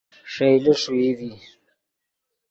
ݰئیلے ݰوئی ڤی